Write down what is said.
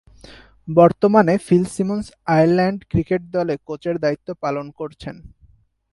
বর্তমানে Phil Simmons Ireland cricket দলে কোচের দায়িত্ব পালন করছেন।